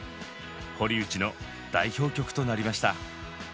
堀内の代表曲となりました。